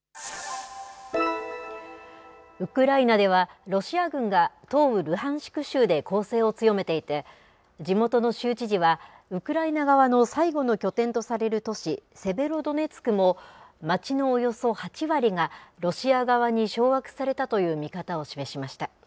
ウクライナでは、ロシア軍が東部ルハンシク州で攻勢を強めていて、地元の州知事は、ウクライナ側の最後の拠点とされる都市セベロドネツクも、街のおよそ８割が、ロシア側に掌握されたという見方を示しました。